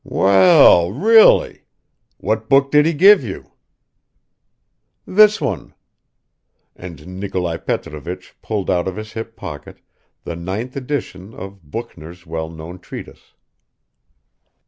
"Well, really! What book did he give you?" "This one." And Nikolai Petrovich pulled out of his hip pocket the ninth edition of Büchner's well known treatise.